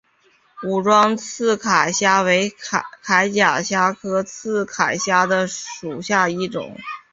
武装刺铠虾为铠甲虾科刺铠虾属下的一个种。